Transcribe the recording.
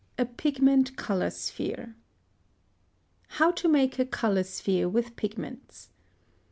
A PIGMENT COLOR SPHERE. +How to make a color sphere with pigments.